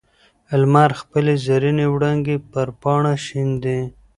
لمر خپلې زرینې وړانګې پر پاڼه شیندي.